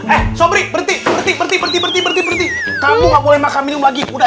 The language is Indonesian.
eh sobri berhenti berhenti berhenti berhenti berhenti kamu gak boleh makan minum lagi udah